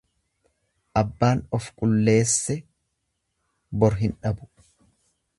Abbaan of qulleesse bor hin dhabu.